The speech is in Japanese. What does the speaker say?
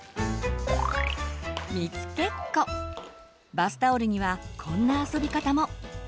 バスタオルにはこんな遊び方も。